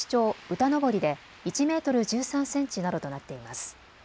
歌登で１メートル１３センチなどとなっています。